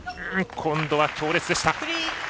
今度は強烈でした。